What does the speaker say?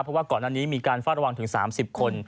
เพราะว่าก่อนอันนี้มีการเฝ้าระวังถึง๓๐คน